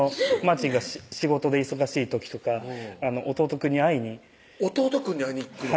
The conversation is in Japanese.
ちんが仕事で忙しい時とか弟くんに会いに弟くんに会いに行くの？